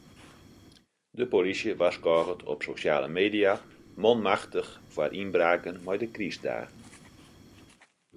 De polysje warskôget op sosjale media manmachtich foar ynbraken mei de krystdagen.